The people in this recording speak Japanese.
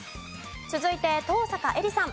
続いて登坂絵莉さん。